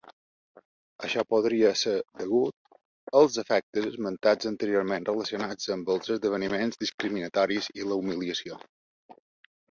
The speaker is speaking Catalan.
Això podria ser degut als efectes esmentats anteriorment relacionats amb els esdeveniments discriminatoris i la humiliació.